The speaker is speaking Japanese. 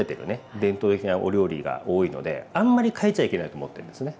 伝統的なお料理が多いのであんまり変えちゃいけないと思ってんですね。